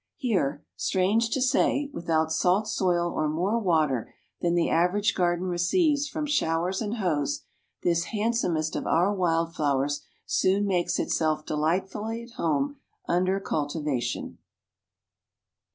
Here, strange to say, without salt soil or more water than the average garden receives from showers and hose, this handsomest of our wild flowers soon makes itself delightfully at home under cultivation."